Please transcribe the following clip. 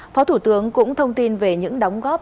phó thủ tướng cũng thông tin về những đóng góp